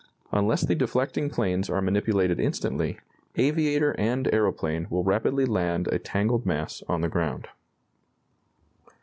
Unless the deflecting planes are manipulated instantly, aviator and aeroplane will rapidly land a tangled mass on the ground."